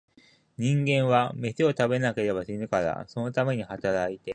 人間は、めしを食べなければ死ぬから、そのために働いて、